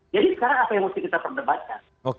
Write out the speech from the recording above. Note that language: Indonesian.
jadi sekarang apa yang harus kita perdebatkan